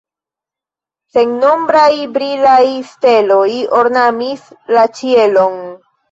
Sennombraj brilaj steloj ornamis la ĉielon.